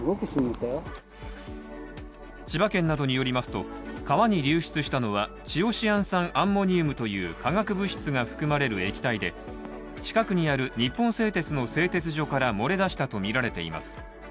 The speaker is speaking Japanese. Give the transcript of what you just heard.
千葉県などによりますと、川に流出したのは、チオシアン酸アンモニウムという化学物質が含まれる液体で、近くにある日本製鉄の製鉄所から漏れ出したとみられています。